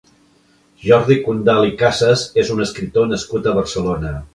Jordi Condal i Casas és un escriptor nascut a Barcelona.